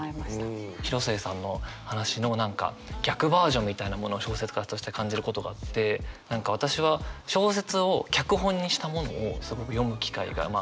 広末さんの話の何か逆バージョンみたいなものを小説家として感じることがあって何か私は小説を脚本にしたものをすごく読む機会があるんですよね。